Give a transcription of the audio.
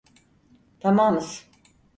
Tamamız.